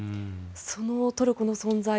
そのトルコの存在